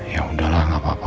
yaudahlah gak apa apa